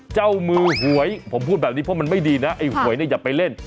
เจ้ามือหวยผมพูดแบบนี้เพราะมันไม่ดีนะไอ้หวยเนี่ยอย่าไปเล่น